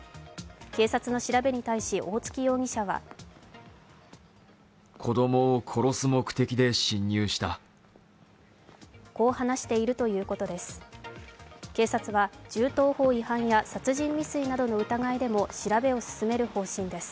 警察の調べに対し大槻容疑者はこう話しているということです。